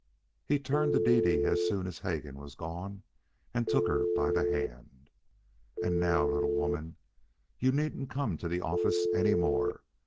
He turned to Dede as soon as Hegan was gone, and took her by the hand. "And now, little woman, you needn't come to the office any more.